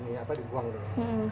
ini apa dibuang dulu